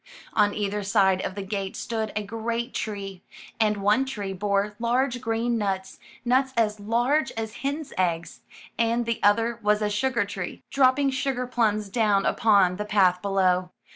On either side of the gate stood a great tree, and one tree bore large green nuts, nuts as large as hen's eggs, and the other was a sugar tree, dropping sugar plums down upon the path below.